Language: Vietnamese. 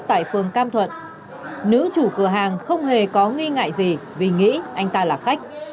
tại phường cam thuận nữ chủ cửa hàng không hề có nghi ngại gì vì nghĩ anh ta là khách